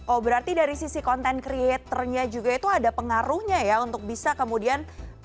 oh berarti dari sisi content creatornya juga itu ada pengaruhnya ya untuk bisa kemudian